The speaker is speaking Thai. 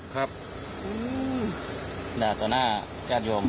ต่อหน้าย่าโดม